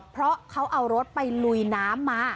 เพราะเขาเอารถไปลุยน้ำมา